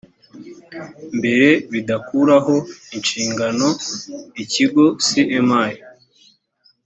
mbere bidakuraho inshingano ikigo cma